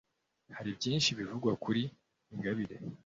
Hari byinshi bivugwa kuri Ingabire